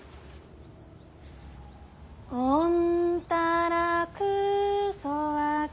おんたらくそわか。